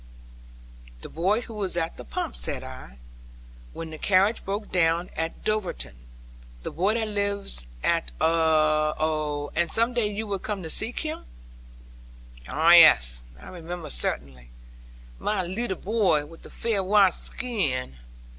'The boy who was at the pump,' said I, 'when the carriage broke down at Dulverton. The boy that lives at oh ah; and some day you would come seek for him.' 'Oh, yes, I remember certainly. My leetle boy, with the fair white skin.